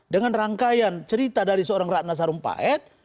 dengan rangkaian cerita dari seorang ratna sarumpait